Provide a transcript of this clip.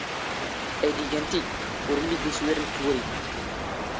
ⴰⵢⴷ ⵉⴳⴰⵏ ⵜⵉⴷⵜ, ⵓⵔ ⵉⵍⵍⵉ ⴳ ⵓⵙⵡⵉⵔ ⵏ ⵜⵡⵔⵉ.